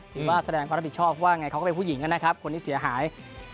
หรือว่าแสดงการรับผิดชอบว่าเขาก็เป็นผู้หญิงกันนะครับคนที่เสียหาย